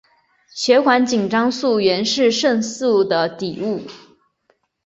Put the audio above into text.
血管紧张素原是肾素的底物。